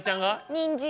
にんじん。